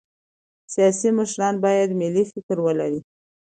سیاسي مشران باید ملي فکر ولري